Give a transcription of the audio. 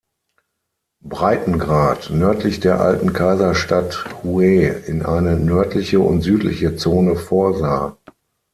Breitengrad, nördlich der alten Kaiserstadt Huế, in eine nördliche und südliche Zone vorsah.